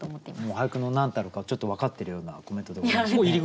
もう俳句の何たるかをちょっと分かってるようなコメントでございますね。